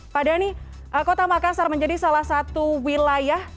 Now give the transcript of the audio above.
padani kota makassar menjadi salah satu wilayah